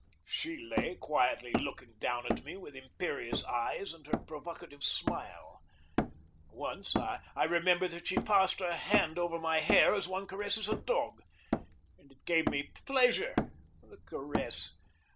She lay quietly looking down at me with imperious eyes and her provocative smile. Once I remember that she passed her hand over my hair as one caresses a dog; and it gave me pleasure the caress.